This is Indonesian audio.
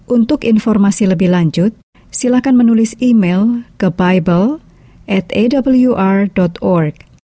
untuk informasi lebih lanjut silahkan menulis email ke bible atawr org